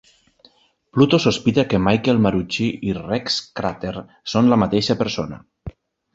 Pluto sospita que Michael Marucci i Rex Crater són la mateixa persona.